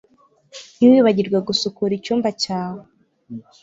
Ntiwibagirwe gusukura icyumba cyawe